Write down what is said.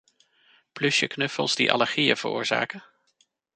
Pluchen knuffels die allergieën veroorzaken?